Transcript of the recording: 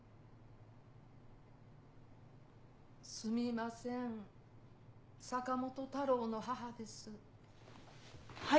・すみません・・坂本太郎の母です・はい。